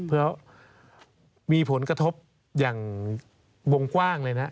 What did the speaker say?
เพราะมีผลกระทบอย่างวงกว้างเลยนะ